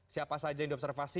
siapa saja yang di observasi